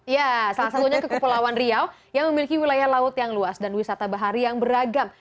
ya salah satunya ke kepulauan riau yang memiliki wilayah laut yang luas dan wisata bahari yang beragam